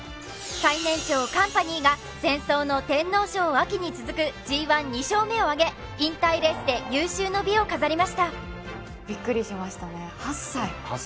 最年長カンパニーが前走の天皇賞に続くＧⅠ２勝目を挙げ引退レースで有終の美を飾りました